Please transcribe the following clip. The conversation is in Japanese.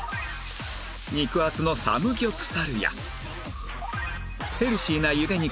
肉厚のサムギョプサルやヘルシーな茹で肉